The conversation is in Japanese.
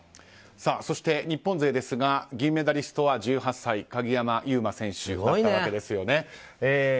そして、日本勢ですが銀メダリストは１８歳鍵山優真選手だったわけですよね。